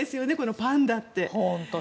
パンダって。